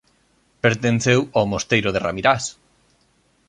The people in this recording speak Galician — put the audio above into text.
Pertenceu ó mosteiro de Ramirás.